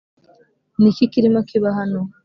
Ni iki kirimo kiba hano